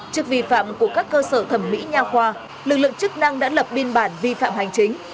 trước vi phạm của các cơ sở thẩm mỹ nhà khoa lực lượng chức năng đã lập biên bản vi phạm hành chính